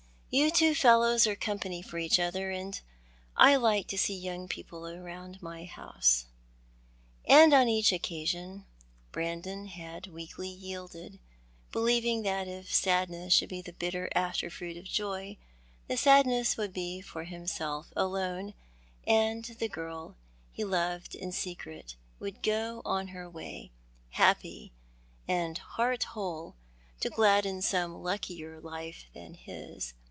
You two fellows are company for each other ; and I like to see young people about my house." And on each occasion Brandon had weakly yielded, believing that if sadness should be the bitter after fruit of joy the sadness would be for himself alone, and the girl he loved in secret would go on her way, happy and heart whole, to gladden some luckier life than his.